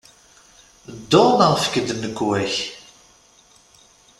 Ddu neɣ efk-d nnekwa-k!